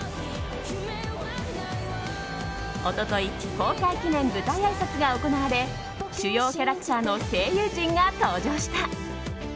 一昨日公開記念舞台あいさつが行われ主要キャラクターの声優陣が登場した。